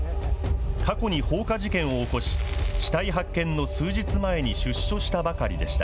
過去に放火事件を起こし、死体発見の数日前に出所したばかりでした。